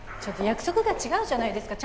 約束が違うじゃないですか。